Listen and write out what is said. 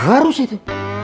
baru sih itu